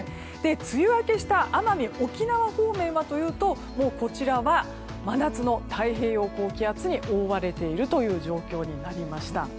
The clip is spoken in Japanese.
梅雨明けした奄美、沖縄方面はというとこちらは、真夏の太平洋高気圧に覆われている状況になりました。